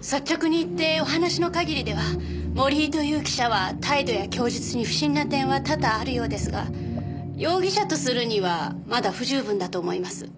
率直に言ってお話の限りでは森井という記者は態度や供述に不審な点は多々あるようですが容疑者とするにはまだ不十分だと思います。